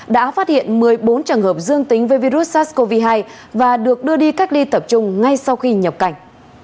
đã phát hiện một mươi bốn trường hợp dương tính với virus sars cov hai và được đưa đi cách ly tập trung ngay sau khi nhập cảnh